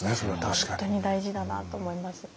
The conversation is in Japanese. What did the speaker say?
本当に大事だなと思います。